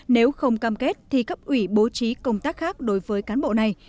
nếu không cam kết thì cấp ủy bố trí công tác khác đối với cán bộ này